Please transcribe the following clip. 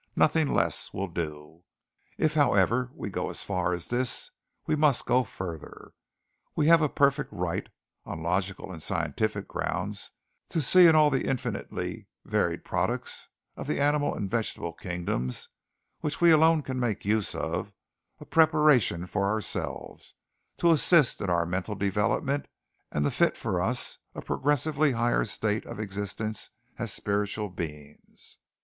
Nothing less will do.... "If, however, we go as far as this, we must go further.... We have a perfect right, on logical and scientific grounds, to see in all the infinitely varied products of the animal and vegetable kingdoms, which we alone can make use of, a preparation for ourselves, to assist in our mental development, and to fit us for a progressively higher state of existence as spiritual beings.